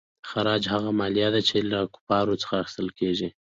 خراج هغه مالیه ده چې له کفارو څخه اخیستل کیږي.